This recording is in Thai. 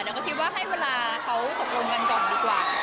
เดี๋ยวก็คิดว่าให้เวลาเขาตกลงกันก่อนดีกว่า